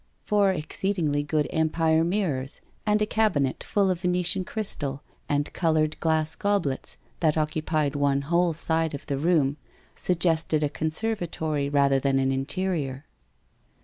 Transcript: Four exceedingly good Empire mirrors and a cabinet full of Venetian crystal and coloured glass goblets that occupied one whole side of the room suggested a conservatory rather than an interior.